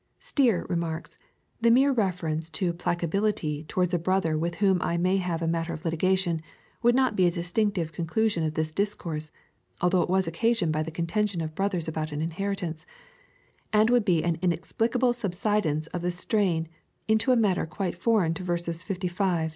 Stier remarks, " The mere reference to placability towards a brother with whom I may have a matter of litigation, would not be a distinctive conclusion of this discourse, (although it was occasioned by the contention of brothers about an inheritance,) and would be an inexplicable subsidence of the strain into a mat ter quite foreign to verses 65 — 67."